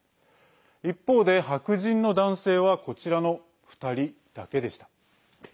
一方で、白人の男性はこちらの２人だけでした。